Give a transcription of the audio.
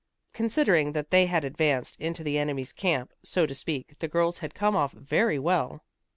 Considering that they had advanced into the enemy's camp, so to speak, the girls had come off very well.